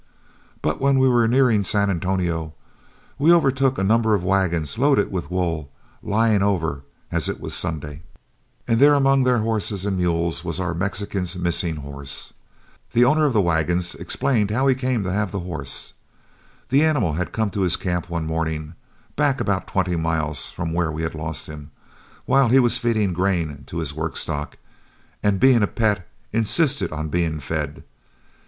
"But when we were nearing San Antonio, we overtook a number of wagons loaded with wool, lying over, as it was Sunday, and there among their horses and mules was our Mexican's missing horse. The owner of the wagons explained how he came to have the horse. The animal had come to his camp one morning, back about twenty miles from where we had lost him, while he was feeding grain to his work stock, and being a pet insisted on being fed.